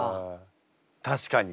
確かに。